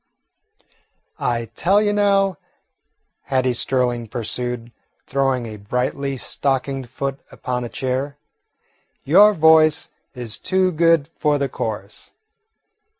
"I tell you, now," Hattie Sterling pursued, throwing a brightly stockinged foot upon a chair, "your voice is too good for the chorus.